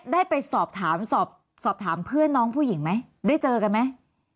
ได้ไปสอบถามสอบถามเพื่อนน้องผู้หญิงไหมได้เจอกันไหม